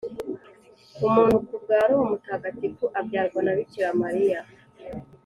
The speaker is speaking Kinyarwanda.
umuntu ku bwa roho mutagatifu, abyarwa na bikira mariya.